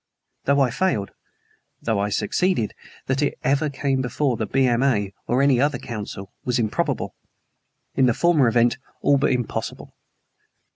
Though I failed, though I succeeded, that it ever came before the B.M.A., or any other council, was improbable; in the former event, all but impossible.